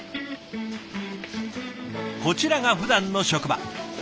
こちらがふだんの職場。